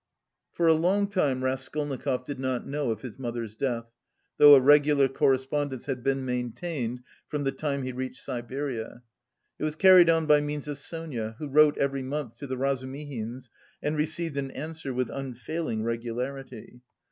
For a long time Raskolnikov did not know of his mother's death, though a regular correspondence had been maintained from the time he reached Siberia. It was carried on by means of Sonia, who wrote every month to the Razumihins and received an answer with unfailing regularity.